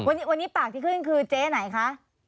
วันนี้ปากที่ขึ้นคือเจ๊ไหนคะ